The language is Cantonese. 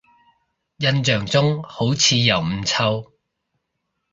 印象中好似又唔臭